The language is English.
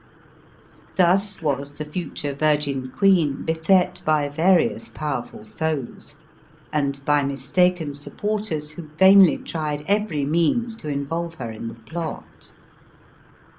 Thus was the future Virgin Queen beset by various powerful foes, and by mistaken supporters who vainly tried every means to involve her in the plot.